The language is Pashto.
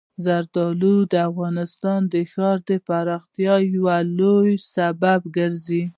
زردالو د افغانستان د ښاري پراختیا یو لوی سبب کېږي.